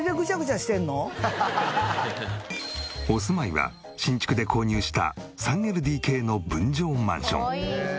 お住まいは新築で購入した３ＬＤＫの分譲マンション。